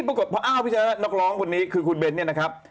ปรากฏพออ้าวพี่ชนะนักร้องคนนี้คือคุณเบ้นเนี่ยนะครับ